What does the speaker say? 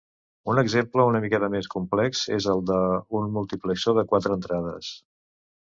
Un exemple una mica més complex és el d'un multiplexor de quatre entrades.